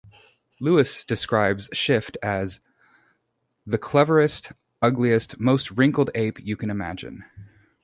Lewis describes Shift as, the cleverest, ugliest, most wrinkled Ape you can imagine.